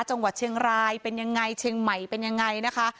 จังหวัดเชียงรายเป็นยังไงเชียงใหม่เป็นยังไงนะคะ